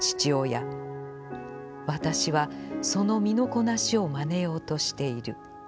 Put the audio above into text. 私は、その身のこなしを真似ようとしている。